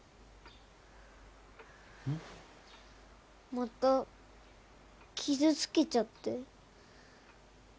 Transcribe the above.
またきずつけちゃって。